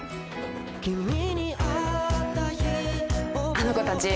あの子たち